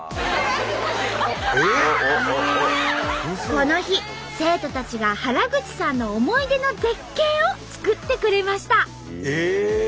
この日生徒たちが原口さんの思い出の絶景を作ってくれました。